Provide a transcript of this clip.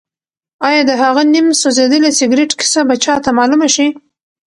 ایا د هغه نیم سوځېدلي سګرټ کیسه به چا ته معلومه شي؟